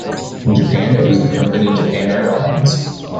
In Japan it was the company Japan Airlines.